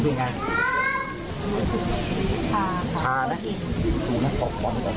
สวัสดีครับสวัสดีครับ